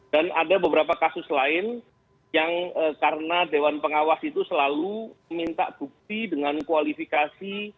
dan ada beberapa kasus lain yang karena dewan pengawas itu selalu minta bukti dengan kualifikasi